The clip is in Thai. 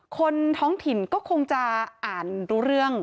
คนท้องถิ่นก็คงจะอ่านรู้เรื่อง